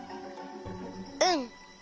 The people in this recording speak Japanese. うん。